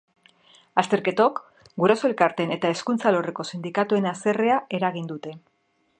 Azterketok guraso elkarteen eta hezkuntza alorreko sindikatuen haserrea eragin dute.